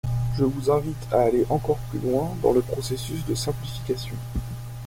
Je vous invite à aller encore plus loin dans le processus de simplification.